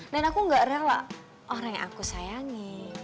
dan aku enggak rela orang yang aku sayangi